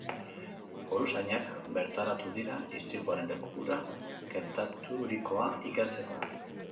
Foruzainak bertaratu dira istripuaren lekura gertaturikoa ikertzeko.